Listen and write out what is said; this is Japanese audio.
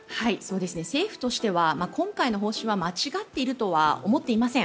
政府としては今回の方針は間違っているとは思っていません。